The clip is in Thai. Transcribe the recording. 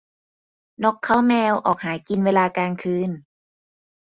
นกเค้าแมวออกหากินเวลากลางคืน